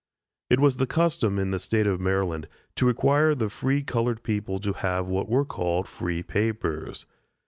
It was the custom in the State of Maryland to require of the free colored people to have what were called free papers.